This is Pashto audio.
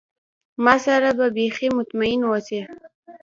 ما سره به بیخي مطمئن اوسی.